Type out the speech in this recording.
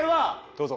どうぞ。